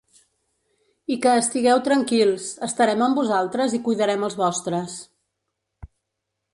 I que estigueu tranquils, estarem amb vosaltres i cuidarem els vostres.